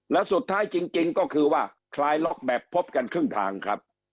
แล้วสุดท้ายจริงก็คือว่าคลายล็อกแบบพบกันครึ่งทางครับ